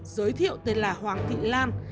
giới thiệu tên là hoàng thị lan